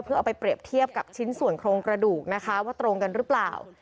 เพื่อเอาไปเปรียบเทียบกับชิ้นส่วนโครงกระดูกนะคะว่าตรงกันหรือเปล่า